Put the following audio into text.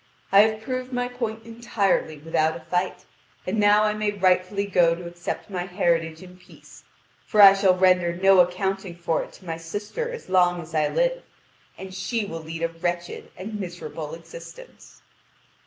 I have proved my point entirely without a fight, and now I may rightfully go to accept my heritage in peace; for I shall render no accounting for it to my sister as long as I live, and she will lead a wretched and miserable existence."